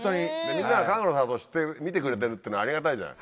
みんながかがくの里を知って見てくれてるってのはありがたいじゃない。